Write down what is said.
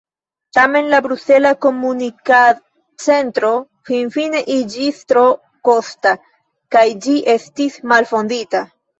Tamen la Brusela Komunikad-Centro finfine iĝis tro kosta, kaj ĝi estis malfondita.